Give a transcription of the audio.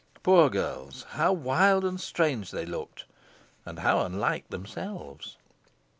Poor girls! how wild and strange they looked and how unlike themselves!